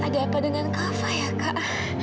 ada apa dengan kak fa ya kak